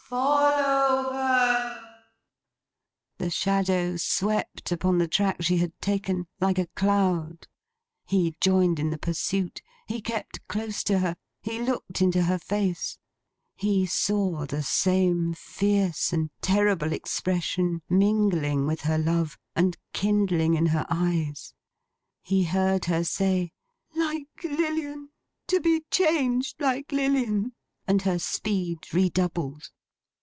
'Follow her!' The shadow swept upon the track she had taken, like a cloud. He joined in the pursuit; he kept close to her; he looked into her face. He saw the same fierce and terrible expression mingling with her love, and kindling in her eyes. He heard her say, 'Like Lilian! To be changed like Lilian!' and her speed redoubled.